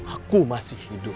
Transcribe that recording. aku masih hidup